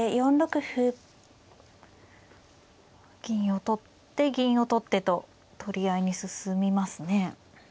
金を取って銀を取ってと取り合いに進みますね。